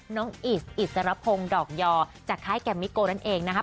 อิสอิสรพงศ์ดอกยอจากค่ายแกมมิโกนั่นเองนะคะ